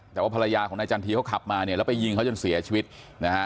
แต่ว่าภรรยาของนายจันทีเขาขับมาเนี่ยแล้วไปยิงเขาจนเสียชีวิตนะฮะ